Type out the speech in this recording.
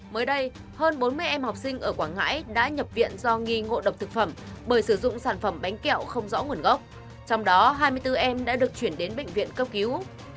mới đây hơn bốn mươi em học sinh ở quảng ngãi đã nhập viện do nghi ngộ độc thực phẩm bởi sử dụng sản phẩm bánh kẹo không rõ nguồn gốc trong đó hai mươi bốn em đã được chuyển đến bệnh viện cấp cứu